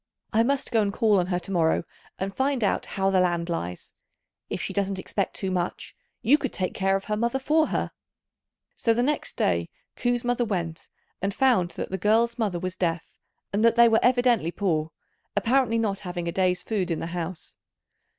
I must go and call on her to morrow, and find out how the land lies. If she doesn't expect too much, you could take care of her mother for her." So next day Ku's mother went, and found that the girl's mother was deaf, and that they were evidently poor, apparently not having a day's food in the house.